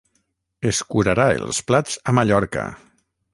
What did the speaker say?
Escurarà els plats a Mallorca.